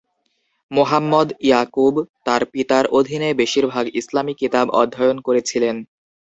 মুহাম্মদ ইয়াকুব তাঁর পিতার অধীনে বেশিরভাগ ইসলামি কিতাব অধ্যয়ন করেছিলেন।